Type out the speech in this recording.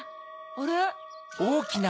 あれ？